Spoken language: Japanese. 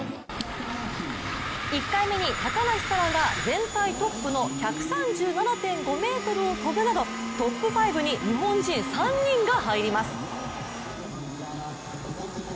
１回目に高梨沙羅が全体トップの１３７．５ｍを飛ぶなどトップ５に日本人３人が入ります。